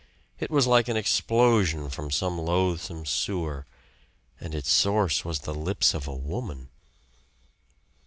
It was like an explosion from some loathsome sewer; and its source was the lips of a woman.